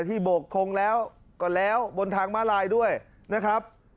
โบกทงแล้วก็แล้วบนทางมาลายด้วยนะครับ